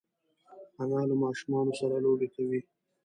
انا له ماشومانو سره لوبې کوي